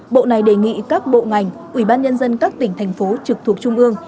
bộ này đề nghị các bộ ngành ủy ban nhân dân các tỉnh thành phố trực thuộc trung ương